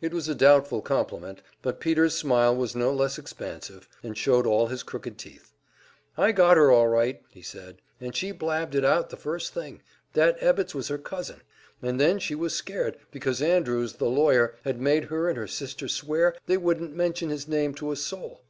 It was a doubtful compliment, but Peter's smile was no less expansive, and showed all his crooked teeth. "I got her all right," he said, "and she blabbed it out the first thing that Ibbetts was her cousin. And then she was scared, because Andrews, the lawyer, had made her and her sister swear they wouldn't mention his name to a soul.